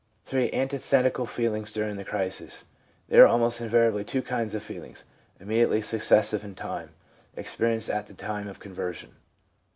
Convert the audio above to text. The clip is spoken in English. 3. Antithetical Feelings during the Crisis. — There are almost invariably two kinds of feelings, immediately successive in time, experienced at the time of conversion.